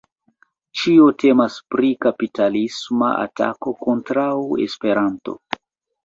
Ĉio temas pri kapitalisma atako kontraŭ Esperanto.